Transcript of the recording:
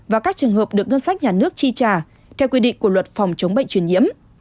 và các trường hợp được ngân sách nhà nước chi trả theo quy định của luật phòng chống bệnh truyền nhiễm